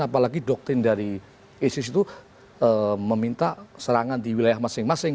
apalagi doktrin dari isis itu meminta serangan di wilayah masing masing